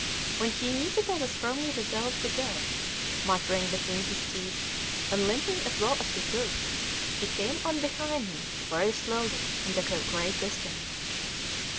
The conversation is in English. When he knew that I was firmly resolved to go, muttering between his teeth, and limping as well as he could, he came on behind me very slowly and at a great distance.